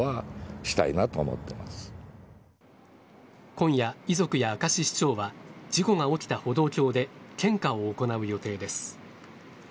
今夜、遺族や明石市長は事故が起きた歩道橋で献花を行う予定です。